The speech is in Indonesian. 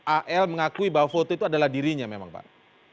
al mengakui bahwa foto itu adalah dirinya memang pak